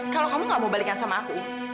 kalau kamu gak mau balikan sama aku